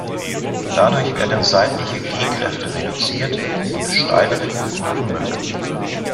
Dadurch werden seitliche g-Kräfte reduziert und steilere Kurven möglich.